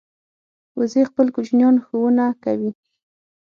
وزې خپل کوچنیان ښوونه کوي